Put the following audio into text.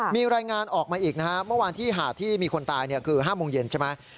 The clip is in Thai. มีรายงานออกมาอีกนะฮะเมื่อวานที่หาดที่มีคนตายคือ๕โมงเย็นใช่ไหม